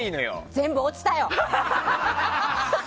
全部落ちたよ！